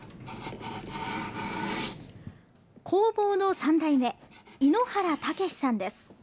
工房の３代目猪ノ原武史さんです。